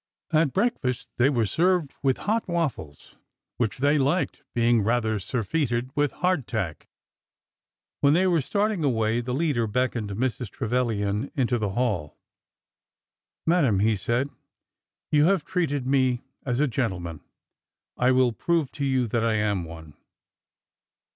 At breakfast they were served with hot waffles, which they liked, being rather surfeited with hardtack. When they were starting away, the leader beckoned Mrs. Trevilian into the hall. ''Madam," he said, "you have treated me as a ''gen tleman. I will prove to you that I am one.